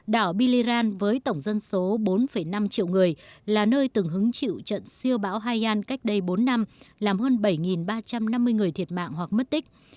đảo biliran với tổng dân số bốn năm triệu người là nơi từng hứng chịu trận siêu bão haiyan cách đây bốn năm làm hơn bảy ba trăm năm mươi người thiệt mạng hoặc mất tích